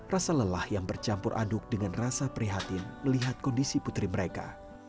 rasa lelah yang bercampur aduk dengan rasa prihatin melihat kondisi putri mereka